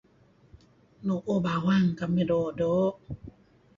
Nu'uh bawang kamih doo'-doo'